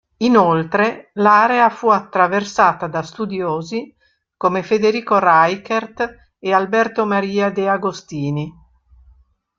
Inoltre l'area fu attraversata da studiosi come Federico Reichert e Alberto Maria De Agostini.